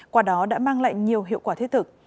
qua đó đã mang lại nhiều hiệu quả thiết thực